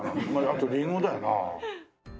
あとりんごだよな。